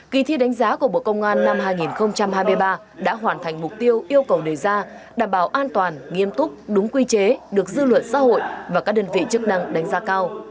kỳ thi đánh giá của bộ công an năm hai nghìn hai mươi ba đã hoàn thành mục tiêu yêu cầu đề ra đảm bảo an toàn nghiêm túc đúng quy chế được dư luận xã hội và các đơn vị chức năng đánh giá cao